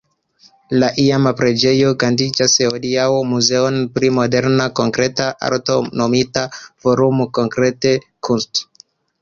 La iama preĝejo gastigas hodiaŭ muzeon pri moderna konkreta arto nomita "Forum Konkrete Kunst".